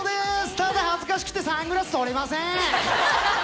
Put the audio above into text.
ただ、恥ずかしくてサングラス取れません。